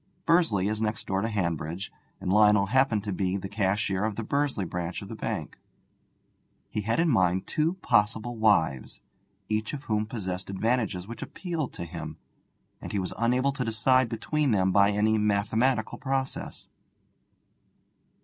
Bursley is next door to Hanbridge, and Lionel happened then to be cashier of the Bursley branch of the bank. He had in mind two possible wives, each of whom possessed advantages which appealed to him, and he was unable to decide between them by any mathematical process.